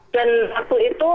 dan waktu itu